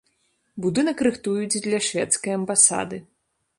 Будынак рыхтуюць для шведскай амбасады.